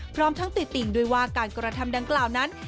พร้อมทั้งติดติงด้วยว่าการกระทำดังกล่าวนั้น